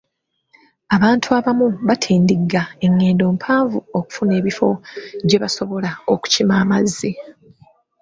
Abantu abamu batindigga engendo mpanvu okufuna ebifo gye basobola okukima amazzi.